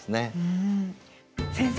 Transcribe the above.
先生。